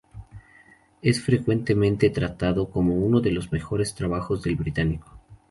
Es frecuentemente tratado como uno de los mejores trabajos del británico.